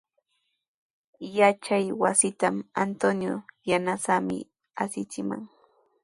Yachaywasitrawqa Antonio yanasaami asichimaq.